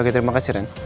oke terima kasih ren